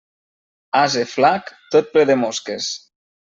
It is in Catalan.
Ase flac, tot ple de mosques.